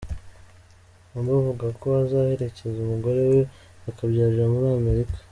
Humble avuga ko azaherekeza umugore we akabyarira muri Amerika.